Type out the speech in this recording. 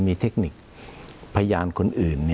มีเทคนิคพยานคนอื่น